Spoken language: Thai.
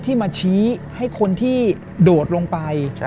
ที่มาชี้ให้คนที่โดดลงไป